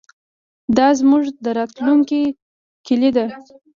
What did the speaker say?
دا زموږ د راتلونکي کلي ده.